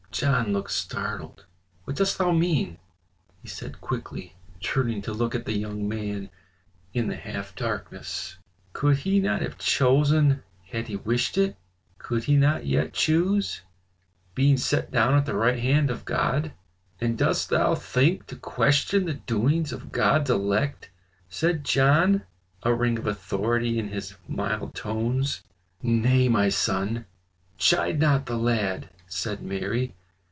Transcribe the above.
John looked startled. "What dost thou mean?" he said quickly, turning to look at the young man in the half darkness. "Could he not have chosen, had he wished it? Could he not yet choose, being set down at the right hand of God?" "And dost thou think to question the doings of God's elect?" said John, a ring of authority in his mild tones. "Nay, my son, chide not the lad," said Mary.